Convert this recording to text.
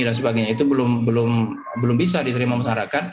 dan sebagainya itu belum bisa diterima masyarakat